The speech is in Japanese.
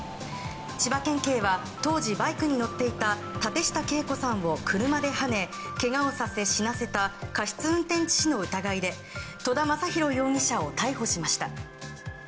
千葉県警は当時バイクに乗っていた舘下敬子さんを車ではねけがをさせ死なせた過失運転致死の疑いで戸田昌宏容疑者を逮捕しました。